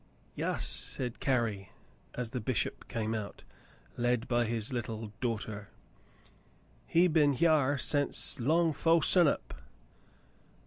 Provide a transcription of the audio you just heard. "Yas," said Carrie, as the bishop came out, led by his little daughter, "he b'en hyar sence long fo' sun up."